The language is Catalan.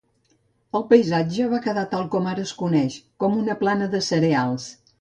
El paisatge va quedar tal com ara es coneix, com una plana de cereals.